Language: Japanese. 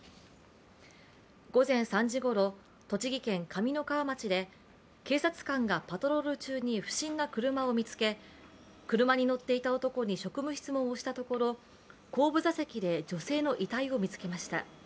午前３時ごろ、栃木県上三川町で警察官がパトロール中に不審な車を見つけ車に乗っていた男に職務質問をしたところ後部座席で女性の遺体を見つけました。